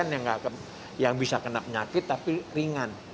yang bisa kena penyakit tapi ringan